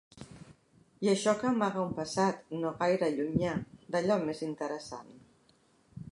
I això que amaga un passat, no gaire llunyà, d’allò més interessant.